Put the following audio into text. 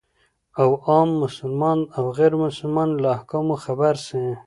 او عام مسلمانان او غير مسلمانان يې له احکامو خبر سي،